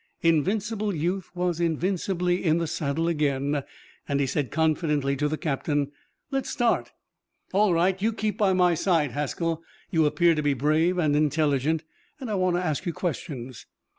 Invincible youth was invincibly in the saddle again, and he said confidently to the captain: "Let's start." "All right. You keep by my side, Haskell. You appear to be brave and intelligent and I want to ask you questions."